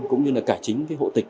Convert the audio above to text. cũng như là cả chính hộ tịch